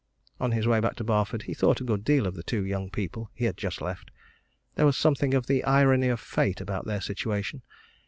On his way back to Barford he thought a good deal of the two young people he had just left. There was something of the irony of fate about their situation.